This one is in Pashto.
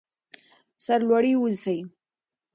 سر لوړي اوسئ.